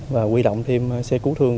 và huy động thêm xe cứu thương